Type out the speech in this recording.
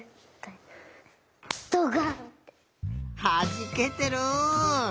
はじけてる！